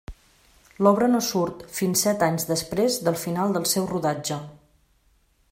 L'obra no surt fins set anys després del final del seu rodatge.